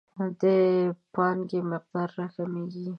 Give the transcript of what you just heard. د پانګې مقدار راکمیږي.